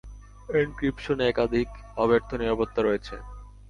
এনক্রিপশনে একাধিক অব্যর্থ-নিরাপত্তা রয়েছে।